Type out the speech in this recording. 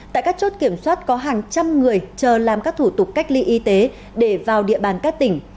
tại các chốt kiểm soát có hàng trăm người chờ làm các thủ tục cách ly y tế để vào địa bàn các tỉnh